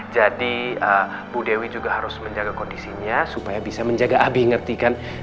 jadi bu dewi juga harus menjaga kondisinya supaya bisa menjaga abi ngerti kan